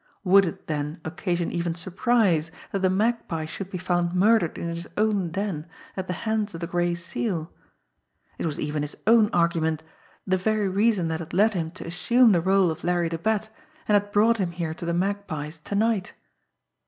Would it, then, occasion even surprise that the Magpie should be found murdered in his own den at the hands of the Gray Seal? It was even his own argument, the very reason that had led him to assume the role of Larry the Bat, and had brought him here to the Magpie's to night!